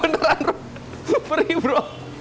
oh beneran bro perih bro